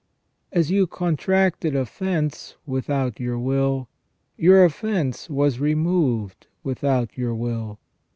As you contracted offence without your will, your offence was removed without your will.